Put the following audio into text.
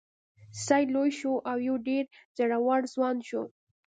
سید لوی شو او یو ډیر زړور ځوان شو.